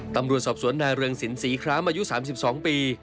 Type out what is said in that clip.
ตำรวจสอบสวนนายเรืองสินศรีคล้ามอายุ๓๒ปี